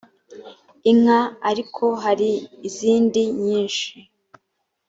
inka ariko hari izindi nyinshi